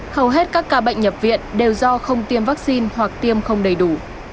hầu hết các ca bệnh nhập viện đều do không tiêm vaccine hoặc tiêm không đầy đủ